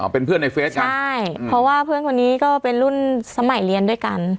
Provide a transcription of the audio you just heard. เป็นเพื่อนในเฟสกันใช่เพราะว่าเพื่อนคนนี้ก็เป็นรุ่นสมัยเรียนด้วยกัน